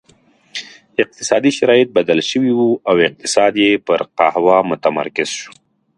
اقتصادي شرایط بدل شوي وو او اقتصاد یې پر قهوه متمرکز شو.